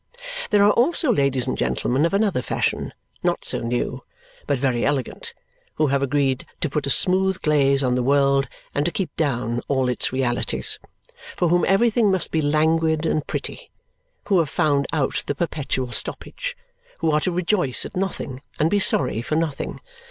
There are also ladies and gentlemen of another fashion, not so new, but very elegant, who have agreed to put a smooth glaze on the world and to keep down all its realities. For whom everything must be languid and pretty. Who have found out the perpetual stoppage. Who are to rejoice at nothing and be sorry for nothing.